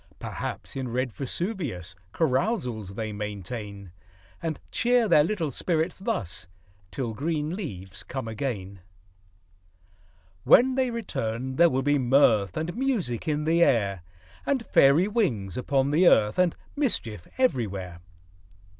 Perhaps, in red Vesuvius Carousals they maintain ; And cheer their little spirits thus, Till green leaves come again. When they return, there will be mirth And music in the air, And fairy wings upon the earth, And mischief everywhere.